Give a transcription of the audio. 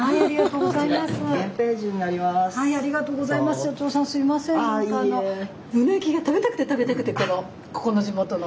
うなぎが食べたくて食べたくてこのここの地元の。